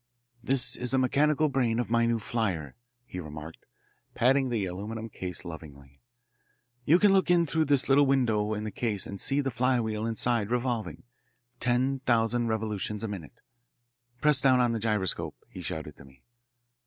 "This is the mechanical brain of my new flier," he remarked, patting the aluminum case lovingly. "You can look in through this little window in the case and see the flywheel inside revolving ten thousand revolutions a minute. Press down on the gyroscope," he shouted to me.